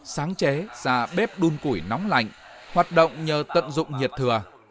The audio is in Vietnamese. sáng chế ra bếp đun củi nóng lạnh hoạt động nhờ tận dụng nhiệt thừa